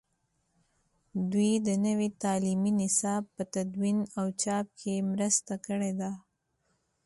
دوی د نوي تعلیمي نصاب په تدوین او چاپ کې مرسته کړې ده.